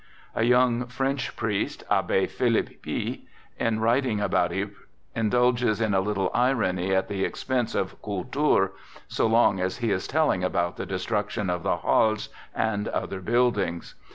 A young French priest, Abbe Philippe P , in writing about Ypres, indulges in a little irony at the expense of " kultur," so long as he is telling about the destruction of the Halles and other buildings.